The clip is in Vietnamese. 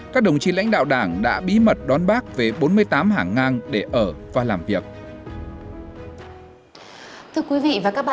các đồng chí lãnh đạo đảng đã bí mật đón bác về bốn mươi tám hàng ngang để ở và làm việc